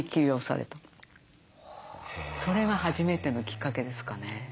それが初めてのきっかけですかね。